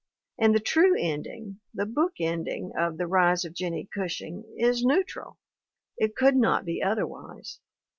And the true ending, the book ending, of The Rise of Jennie Gushing is neutral. It could not be otherwise.